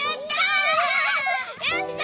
やった！